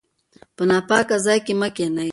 په ناپاکه ځای کې مه کښینئ.